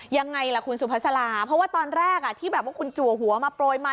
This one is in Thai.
ยังไงล่ะคุณสุภาษาลาเพราะว่าตอนแรกที่แบบว่าคุณจัวหัวมาโปรยมา